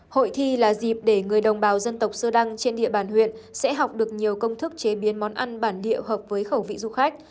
hội thi là dịp để người đồng bào dân tộc sơ đăng trên địa bàn huyện sẽ học được nhiều công thức chế biến món ăn bản địa hợp với khẩu vị du khách